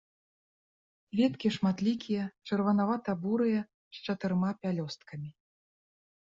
Кветкі шматлікія, чырванавата-бурыя з чатырма пялёсткамі.